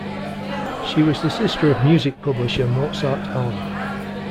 She was the sister of music publisher Mozart Allen.